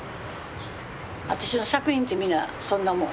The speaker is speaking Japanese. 私の作品ってみんなそんなもん。